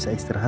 si buruk rupa